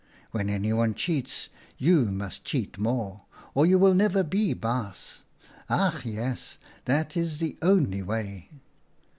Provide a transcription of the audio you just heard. When anyone cheats, you must cheat more, or you will never be baas. Ach, yes ! that is the only way."